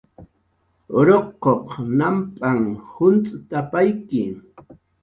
"Ruquq namp'anh juncx't""apayki"